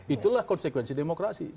itulah konsekuensi demokrasi